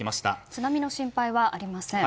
津波の心配はありません。